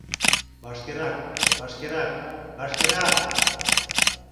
— Вашкерак, вашкерак, вашкерак!..